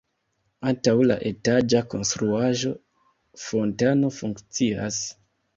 Antaŭ la etaĝa konstruaĵo fontano funkcias.